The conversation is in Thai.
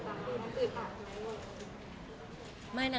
อะไรนะคะ